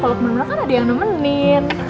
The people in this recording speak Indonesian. kalau kemana kan ada yang nemenin